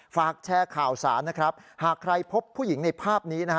ฝากแชร์ข่าวสารนะครับหากใครพบผู้หญิงในภาพนี้นะฮะ